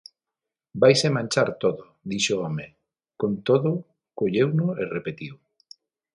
_Vaise manchar todo _dixo o home, con todo colleuno e repetiu_.